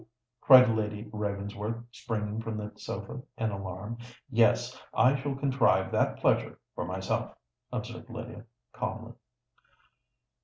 _" cried Lady Ravensworth, springing from the sofa in alarm. "Yes—I shall contrive that pleasure for myself," observed Lydia, calmly.